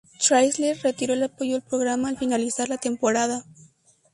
Chrysler retiró el apoyo al programa al finalizar la temporada.